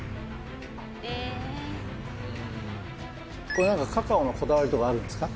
これ何かカカオのこだわりとかあるんですか？